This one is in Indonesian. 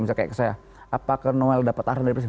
misalnya kayak saya apakah noel dapat arah dari presiden